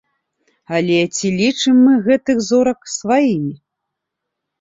Але ці лічым мы гэтых зорак сваімі?